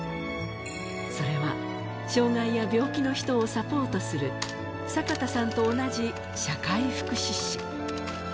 それは、障がいや病気の人をサポートする、坂田さんと同じ社会福祉士。